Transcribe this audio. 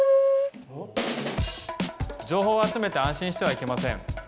情報を集めて安心してはいけません。